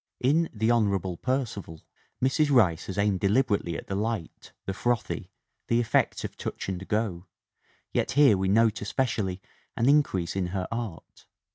"In The Honorable Percival Mrs. Rice has aimed deliberately at the light, the frothy, the effect of touch and go, yet here we note especially an increase in her art.